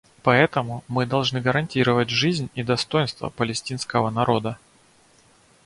Поэтому мы должны гарантировать жизнь и достоинство палестинского народа.